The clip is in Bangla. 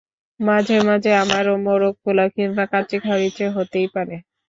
মাঝে মাঝে আমারও মোরগ পোলাও কিংবা কাচ্চি খাওয়ার ইচ্ছে হতেই পারে।